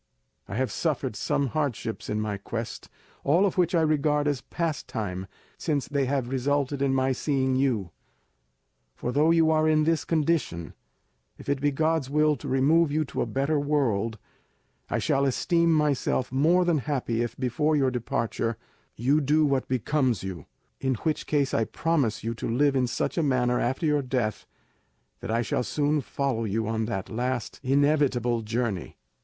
I have suffered some hardships in my quest, all of which I regard as pastime since they have resulted in my seeing you; for, though you are in this condition, if it be God's will to remove you to a better world, I shall esteem myself more than happy if before your departure you do what becomes you, in which case I promise you to live in such a manner after your death that I shall soon follow you on that last inevitable journey.